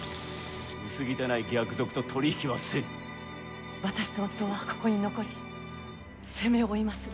薄汚い逆賊と私と夫はここに残り責めを負いまする。